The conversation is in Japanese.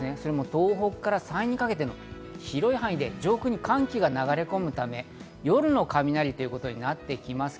東北から山陰にかけて、広い範囲で上空に寒気が流れ込むため、夜の雷ということになってきます。